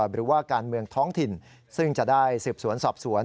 หรือว่าการเมืองท้องถิ่นซึ่งจะได้สืบสวนสอบสวน